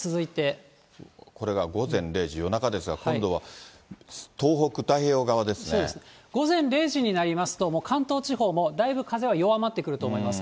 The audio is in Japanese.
これが午前０時、夜中ですが、今度は東北、午前０時になりますと、関東地方もだいぶ風は弱まってくると思います。